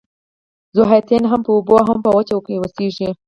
ذوحیاتین هم په اوبو او هم په وچه اوسیږي